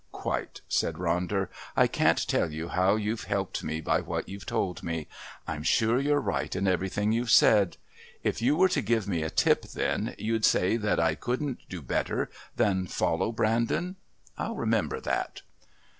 "Quite," said Ronder. "I can't tell you how you've helped me by what you've told me. I'm sure you're right in everything you've said. If you were to give me a tip then, you'd say that I couldn't do better than follow Brandon. I'll remember that."